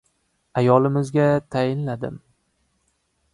Ayolimizga tayinladim: